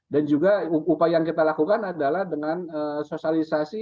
dan juga upaya yang kita lakukan adalah dengan sosialisasi